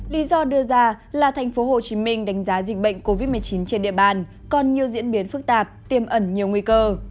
lý do đưa ra là tp hcm đánh giá dịch bệnh covid một mươi chín trên địa bàn còn nhiều diễn biến phức tạp tiêm ẩn nhiều nguy cơ